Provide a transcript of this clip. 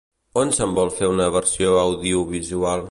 On se'n vol fer una versió audiovisual?